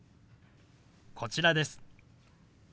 こちらです。